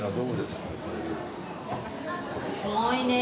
すごいね！